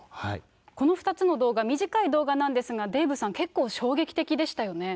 この２つの動画、短い動画なんですけれども、デーブさん、結構衝撃的でしたよね。